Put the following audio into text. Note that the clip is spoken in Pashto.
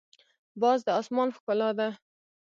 باز د اسمان ښکلا ده